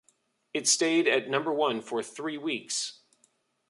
It stayed at number one for three weeks.